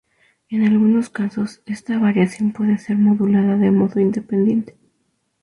En algunos casos, esta variación puede ser modulada de modo independiente.